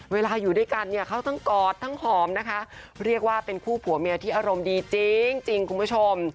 อยู่ด้วยกันเนี่ยเขาทั้งกอดทั้งหอมนะคะเรียกว่าเป็นคู่ผัวเมียที่อารมณ์ดีจริงคุณผู้ชม